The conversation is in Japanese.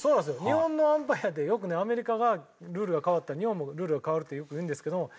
日本のアンパイアってよくねアメリカがルールが変わったら日本もルールが変わるってよくいうんですけども。